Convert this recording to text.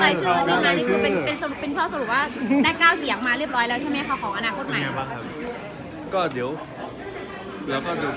เป็นข้อสรุปว่าได้ก้าวเสียงมาเรียบร้อยแล้วใช่ไหมครับ